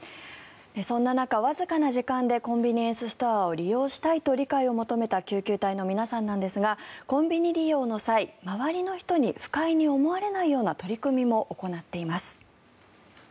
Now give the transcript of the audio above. そんな中、わずかな時間でコンビニエンスストアを利用したいと理解を求めた救急隊の皆さんですがコンビニ利用の際、周りの人に不快に思われないような取り組みも行っています。